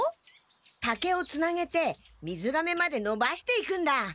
竹をつなげてみずがめまでのばしていくんだ。